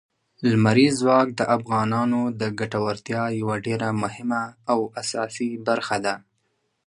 لمریز ځواک د افغانانو د ګټورتیا یوه ډېره مهمه او اساسي برخه ده.